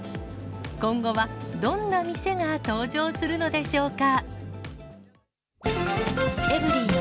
今後はどんな店が登場するのでしょうか。